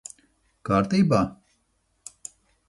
Kārtībā?